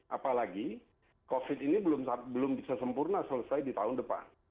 apalagi covid ini belum bisa sempurna selesai di tahun depan